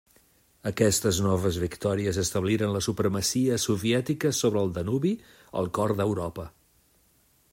Aquestes noves victòries establiren la supremacia soviètica sobre el Danubi, al cor d'Europa.